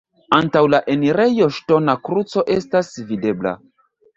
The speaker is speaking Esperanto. Antaŭ la enirejo ŝtona kruco estas videbla.